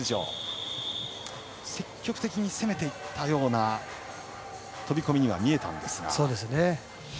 積極的に攻めていったような飛び込みには見えたんですが。